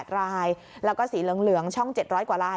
๘รายแล้วก็สีเหลืองช่อง๗๐๐กว่าราย